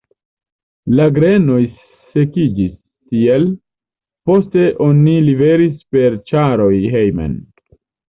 La grenoj sekiĝis tiel, poste oni liveris per ĉaroj hejmen.